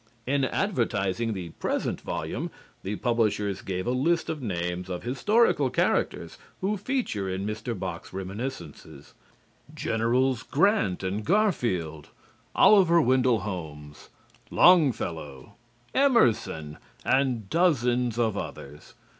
In advertising the present volume the publishers give a list of names of historical characters who feature in Mr. Bok's reminiscences Gens. Grant and Garfield, Oliver Wendell Holmes, Longfellow, Emerson and dozens of others.